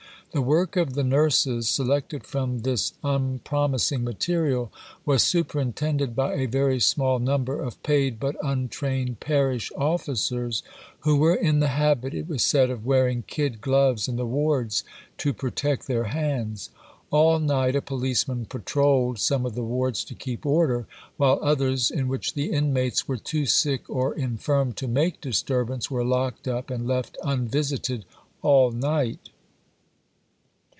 The work of the nurses, selected from this unpromising material, "was superintended by a very small number of paid but untrained parish officers, who were in the habit, it was said, of wearing kid gloves in the wards to protect their hands. All night a policeman patrolled some of the wards to keep order, while others, in which the inmates were too sick or infirm to make disturbance, were locked up and left unvisited all night."